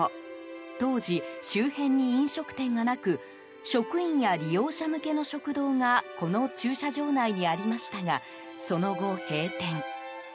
当時、周辺に飲食店がなく職員や利用者向けの食堂がこの駐車場内にありましたがその後、閉店。